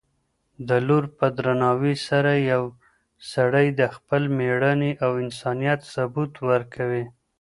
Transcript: د لور په درناوي سره یو سړی د خپل مېړانې او انسانیت ثبوت ورکوي.